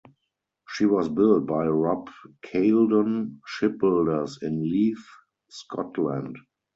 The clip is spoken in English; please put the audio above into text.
She was built by Robb Caledon Shipbuilders in Leith, Scotland.